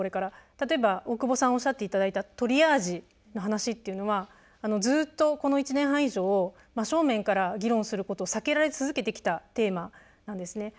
例えば大久保さんおっしゃっていただいたトリアージの話っていうのはずっとこの１年半以上真正面から議論することを避けられ続けてきたテーマなんですね。